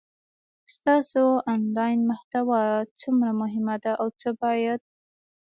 ستاسو انلاین محتوا څومره مهمه ده او څه باید